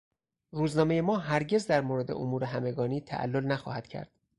روزنامهی ما هرگز در مورد امور همگانی تعلل نخواهد کرد.